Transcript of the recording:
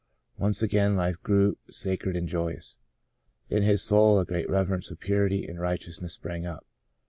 Once again life grew sacred and joyous. In his soul a great reverence for purity and right eousness sprang up.